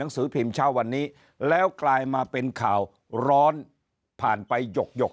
สือพิมพ์เช้าวันนี้แล้วกลายมาเป็นข่าวร้อนผ่านไปหยก